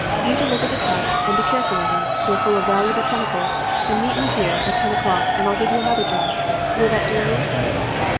You deliver the tubs and be careful of 'em. They're full of valuable chemicals and meet me here at ten o'clock and I'll give you another job. Will that do you?'